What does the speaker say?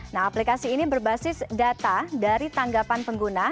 nah aplikasi ini berbasis data dari tanggapan pengguna